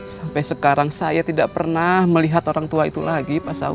sampai sekarang saya tidak pernah melihat orang tua itu lagi pak saud